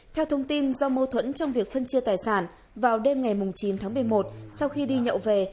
theo thông tin do mâu thuẫn trong việc phân chia tài sản vào đêm ngày chín tháng một mươi một sau khi đi nhậu về